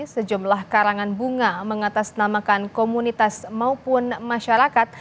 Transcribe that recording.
sejumlah karangan bunga mengatasnamakan komunitas maupun masyarakat